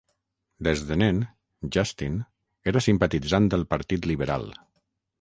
Des de nen, Justin era simpatitzant del Partit Liberal.